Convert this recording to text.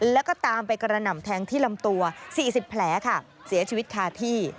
แล้วก็ตามไปกระหน่ำแทงที่ลำตัว๔๐แผลค่ะเสียชีวิตคาที่